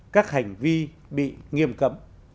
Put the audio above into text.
các hành vi bị nghiêm cấm